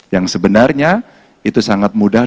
yang sebenarnya itu sangat mudah